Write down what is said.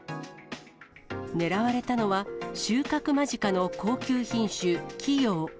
狙われたのは、収穫間近の高級品種、貴陽。